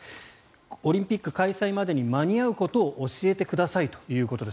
オリンピック開催までに間に合うことを教えてくださいということです。